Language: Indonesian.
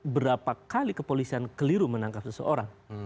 berapa kali kepolisian keliru menangkap seseorang